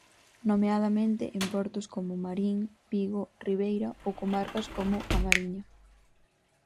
Nomeadamente en portos como Marín, Vigo, Ribeira ou comarcas como A Mariña.